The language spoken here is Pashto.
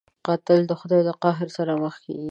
قاتل د خدای د قهر سره مخ کېږي